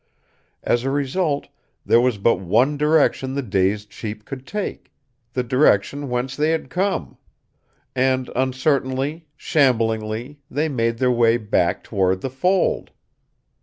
As a result, there was but one direction the dazed sheep could take the direction whence they had come. And, uncertainly, shamblingly, they made their way back toward the fold.